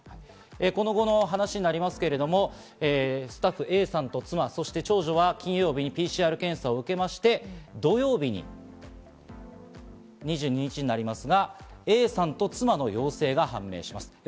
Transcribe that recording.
この後の話になりますけど、スタッフＡさんと妻、そして長女は金曜日にＰＣＲ検査を受けまして土曜日にＡさんと妻の陽性が判明します。